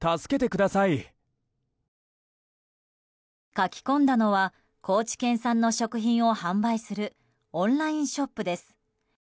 書き込んだのは高知県産の食品を販売するオンラインショップです。